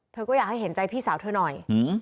เธอก็อยากให้เห็นใจพี่สาวเธอหน่อย